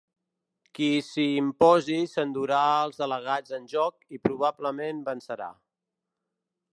Qui s’hi imposi s’endurà els delegats en joc i probablement vencerà.